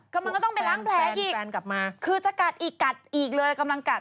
กำลังก็ต้องไปล้างแผลอีกแฟนกลับมาคือจะกัดอีกกัดอีกเลยกำลังกัด